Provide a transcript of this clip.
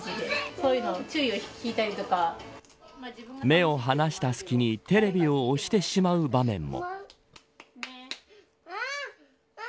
目を離した隙にテレビを押してしまう場面も。